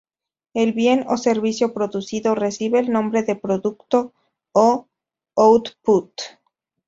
El bien o servicio producido recibe el nombre de producto o output.